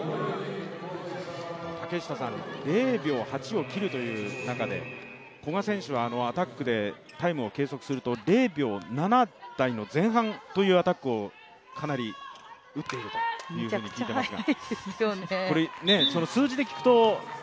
０秒８を切るという中で古賀選手はアタックでタイムを計測すると０秒７台の前半というアタックをかなり打っているという話を聞いてますが。